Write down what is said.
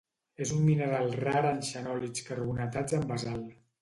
És un mineral rar en xenòlits carbonatats en basalt.